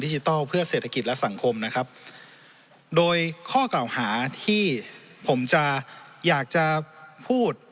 จิทัลเพื่อเศรษฐกิจและสังคมนะครับโดยข้อกล่าวหาที่ผมจะอยากจะพูด